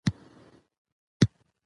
د بریتانوي واکمنۍ پر ضد فعال و.